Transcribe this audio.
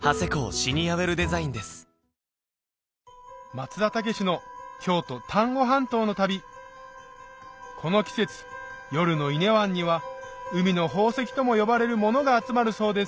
松田丈志の京都・丹後半島の旅この季節夜の伊根湾には海の宝石とも呼ばれるものが集まるそうです